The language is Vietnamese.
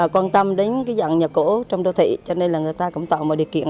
quan tâm đến dạng nhà cổ trong đô thị cho nên là người ta cũng tạo mọi điều kiện